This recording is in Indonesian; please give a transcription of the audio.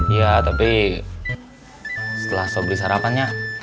iya tapi setelah sobeli sarapannya